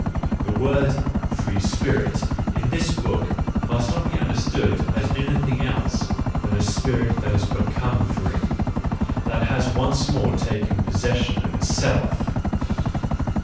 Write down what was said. The word " free spirit " in this book must not be understood as anything else than a spirit that has become free, that has once more taken possession of itself.